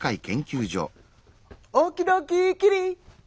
オーキドーキキリ。